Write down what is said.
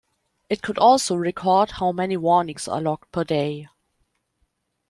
It could also record how many warnings are logged per day.